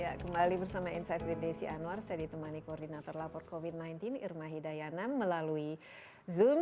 ya kembali bersama insight with desi anwar saya ditemani koordinator lapor covid sembilan belas irma hidayana melalui zoom